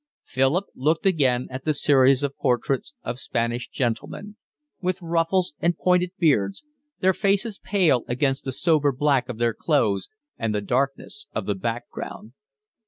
Philip looked again at the series of portraits of Spanish gentlemen, with ruffles and pointed beards, their faces pale against the sober black of their clothes and the darkness of the background.